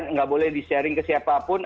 nggak boleh di sharing ke siapapun